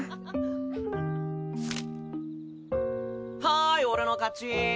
はい俺の勝ち。